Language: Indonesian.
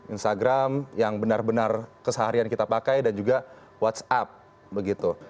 instagram yang benar benar keseharian kita pakai dan juga whatsapp begitu